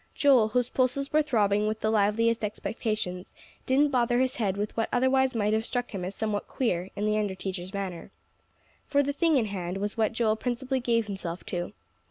Joel, whose pulses were throbbing with the liveliest expectations, didn't bother his head with what otherwise might have struck him as somewhat queer in the under teacher's manner. For the thing in hand was what Joel principally gave himself to.